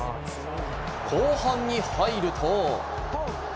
後半に入ると。